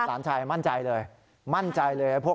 หลานชายมั่นใจเลยมั่นใจเลยพวก